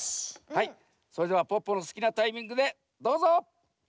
はいそれではポッポのすきなタイミングでどうぞ！